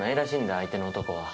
相手の男は。